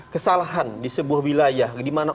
kesalahan di sebuah wilayah di mana